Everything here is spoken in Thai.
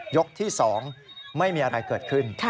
ยกที่๒ไม่มีอะไรเกิดขึ้น